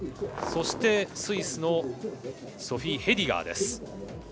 そしてスイスのソフィー・ヘディガーです。